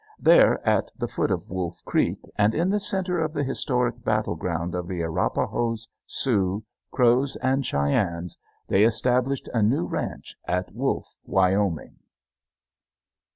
There, at the foot of Wolf Creek and in the center of the historic battle ground of the Arapahoes, Sioux, Crows, and Cheyennes, they established a new ranch at Wolf, Wyoming.